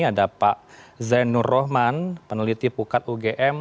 ada pak zainur rohman peneliti pukat ugm